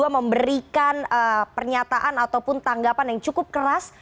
memberikan pernyataan ataupun tanggapan yang cukup keras